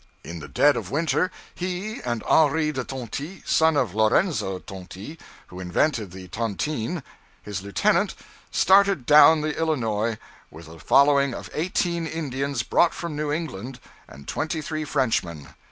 In the dead of winter he and Henri de Tonty, son of Lorenzo Tonty, who invented the tontine, his lieutenant, started down the Illinois, with a following of eighteen Indians brought from New England, and twenty three Frenchmen.